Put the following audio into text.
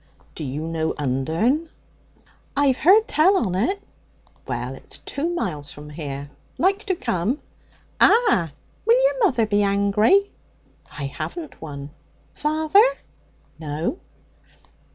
'D'you know Undern?' 'I've heard tell on it.' 'Well, it's two miles from here. Like to come?' 'Ah! Will your mother be angry?' 'I haven't one.' 'Father?' 'No.'